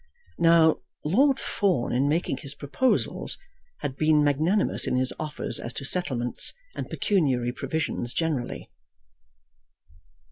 Now, Lord Fawn in making his proposals had been magnanimous in his offers as to settlements and pecuniary provisions generally.